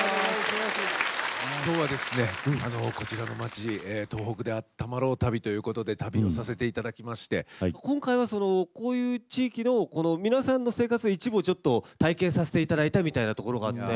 今日はですねこちらの町「東北であったまろう旅」ということで旅をさせていただきまして今回はこういう地域の皆さんの生活の一部をちょっと体験させていただいたみたいなところがあって。